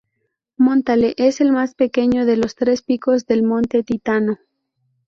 Montale es el más pequeño de los tres picos del Monte Titano.